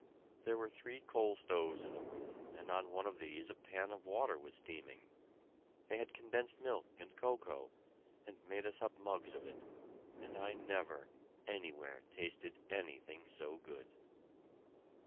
There were three coal stoves in the room, and on one of these a pan of water was steaming. They had condensed milk and cocoa, and made us up mugs of it, and I never, anywhere, tasted anything so good.